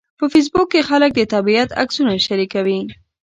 په فېسبوک کې خلک د طبیعت عکسونه شریکوي